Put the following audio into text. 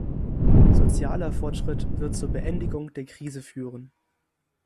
Sozialer Fortschritt wird zur Beendigung der Krise führen.